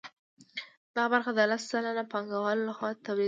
دا برخه د لس سلنه پانګوالو لخوا تولیدېدله